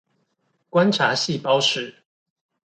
觀察細胞時